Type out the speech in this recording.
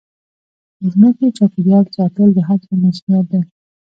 د ځمکې چاپېریال ساتل د هرچا مسوولیت دی.